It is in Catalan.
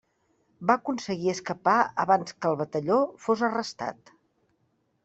Va aconseguir escapar abans que el batalló fos arrestat.